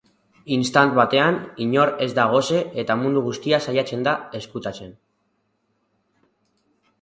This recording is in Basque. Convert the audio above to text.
Instant batean, inor ez da gose eta mundu guztia saiatzen da ezkutatzen.